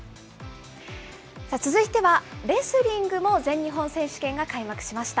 続いては、レスリングも全日本選手権が開幕しました。